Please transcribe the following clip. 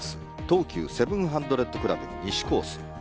東急セブンハンドレッドクラブ西コース。